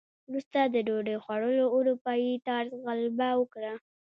وروسته د ډوډۍ خوړلو اروپايي طرز غلبه وکړه.